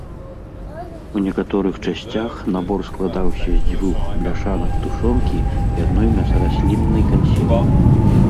У некаторых часцях набор складаўся з дзвюх бляшанак тушонкі і адной мясарасліннай кансервы.